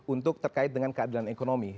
untuk terkait dengan keadilan ekonomi